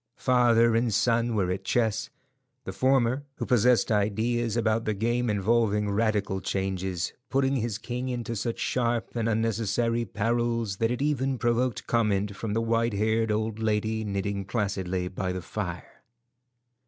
Father and son were at chess, the former, who possessed ideas about the game involving radical changes, putting his king into such sharp and unnecessary perils that it even provoked comment from the white haired old lady knitting placidly by the fire.